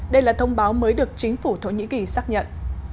đây là thông báo mới được chính phủ thổ nhĩ kỳ xác nhận